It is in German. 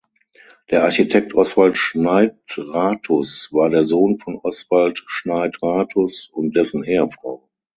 Der Architekt Oswald Schneidratus war der Sohn von Oswald Schneidratus und dessen Ehefrau.